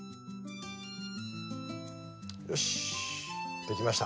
よし出来ました。